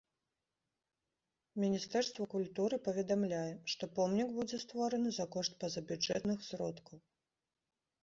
Міністэрства культуры паведамляе, што помнік будзе створаны за кошт пазабюджэтных сродкаў.